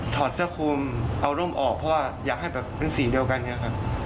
อดเสื้อคุมเอาร่มออกเพราะว่าอยากให้แบบเป็นสิ่งเดียวกันอย่างนี้ครับ